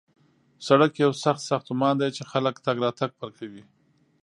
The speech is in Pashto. سړک یو سخت ساختمان دی چې خلک تګ راتګ پرې کوي